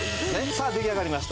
さあ出来上がりました。